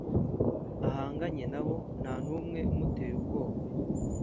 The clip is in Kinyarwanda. ahanganye nabo nta n’umwe umuteye ubwoba